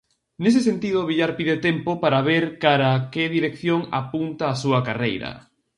Nese sentido, Villar pide tempo para ver cara a que dirección apunta a súa carreira.